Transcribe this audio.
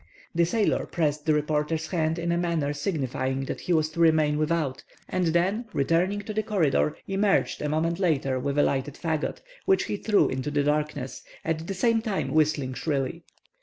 The sailor pressed the reporter's hand in a manner signifying that he was to remain without, and then returning to the corridor, emerged a moment later with a lighted fagot, which he threw into the darkness, at the same time whistling shrilly.